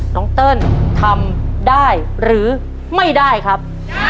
เติ้ลทำได้หรือไม่ได้ครับ